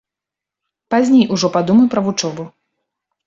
Пазней ужо падумаю пра вучобу.